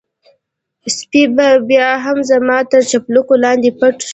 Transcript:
سپی بيا هم زما تر چپلکو لاندې پټ شو.